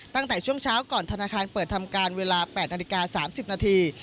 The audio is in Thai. ตั้งแต่ช่วงเช้าก่อนธนาคารเปิดทำการเวลา๘นาฬิกา๓๐นาที